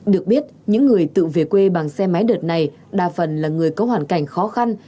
được biết những người tự về quê bằng xe máy đợt này đa phần là người có hoàn cảnh khó khăn